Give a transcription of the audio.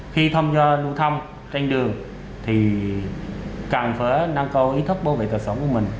khi thăm do lưu thăm trên đường thì càng phớ năng cầu ý thức bảo vệ tật sống của mình